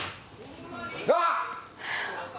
あっ！